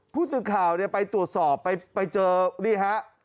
ผู้สื่อข่าวไปตรวจสอบไปเจอนี่ฮะ